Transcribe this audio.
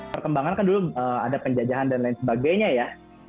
perkembangan kan dulu ada penjajahan dan lain sebagainya ya